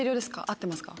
合ってますか？